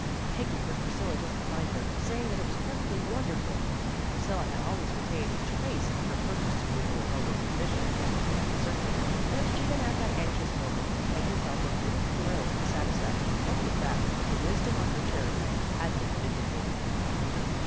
Peggy heard Priscilla just behind her, saying that it was perfectly wonderful. Priscilla had always retained a trace of her first disapproval of Hobo's admission into the family circle, and even at that anxious moment, Peggy felt a little thrill of satisfaction over the fact that the wisdom of her charity had been vindicated.